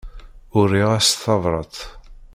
Uriɣ-as tabrat.